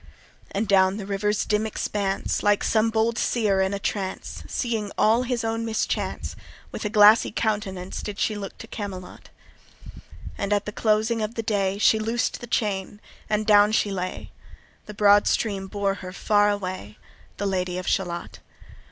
And down the river's dim expanse— Like some bold seër in a trance, Seeing all his own mischance— With a glassy countenance Did she look to Camelot. And at the closing of the day She loosed the chain, and down she lay; The broad stream bore her far away, The Lady of Shalott.